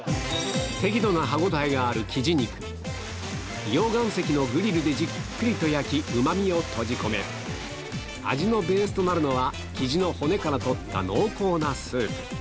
適度な歯応えがある溶岩石のグリルでじっくりと焼きうま味を閉じ込める味のベースとなるのは雉の骨から取った濃厚なスープ